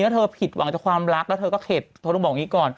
ถ้าเธอผิดหวังจากความรักแล้วเธอก็เข็ดเธอต้องบอกอย่างนี้ก่อน